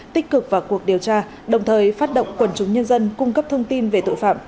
tích cực vào cuộc điều tra đồng thời phát động quần chúng nhân dân cung cấp thông tin về tội phạm